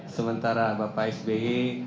sementara bapak sbi